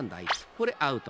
ほれアウト］